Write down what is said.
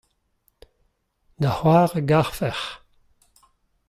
da c'hoar a garfec'h.